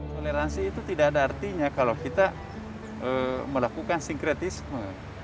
toleransi itu tidak ada artinya kalau kita melakukan sinkretisme